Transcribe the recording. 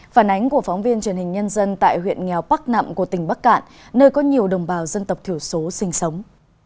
phản ánh của phóng viên truyền hình nhân dân tại huyện nghèo bắc nạm của tỉnh bắc cạn nơi có nhiều đồng bào dân tộc thiểu số sinh sống